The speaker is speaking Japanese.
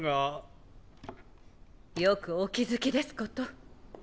よくお気付きですこと。